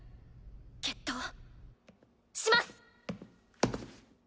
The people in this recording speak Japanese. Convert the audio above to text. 決闘します！